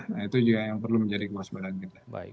nah itu juga yang perlu menjadi kewaspadaan kita